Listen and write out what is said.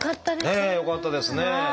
ねえよかったですね。